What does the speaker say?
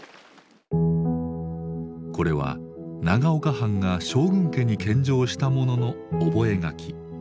これは長岡藩が将軍家に献上した物の覚書。